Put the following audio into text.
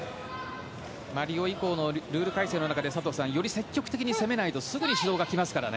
リオ以降のルール改正の中でより積極的に攻めないとすぐに指導が来ますからね。